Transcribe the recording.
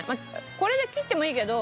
これで切ってもいいけど。